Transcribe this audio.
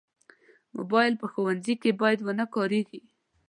موبایل په ښوونځي کې باید ونه کارېږي.